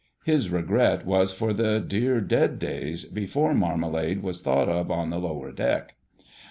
His regret was for the "dear dead days" before marmalade was thought of on the Lower deck.